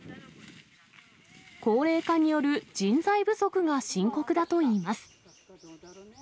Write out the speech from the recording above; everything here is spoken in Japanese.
高齢化による人材不足が深刻だといいます。